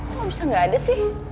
kok gak bisa gak ada sih